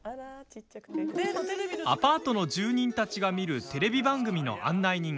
アパートの住人たちが見るテレビ番組の案内人